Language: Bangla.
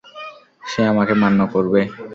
সে আমাকে মান্য করবে।